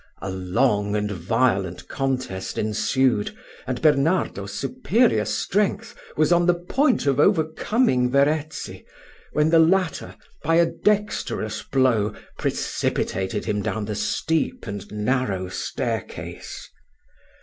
A long and violent contest ensued, and Bernardo's superior strength was on the point of overcoming Verezzi, when the latter, by a dexterous blow, precipitated him down the steep and narrow staircase.